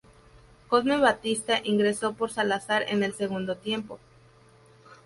Cosme Batista ingresó por Salazar en el segundo tiempo.